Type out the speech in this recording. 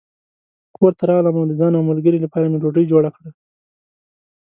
کور ته راغلم او د ځان او ملګري لپاره مې ډوډۍ جوړه کړه.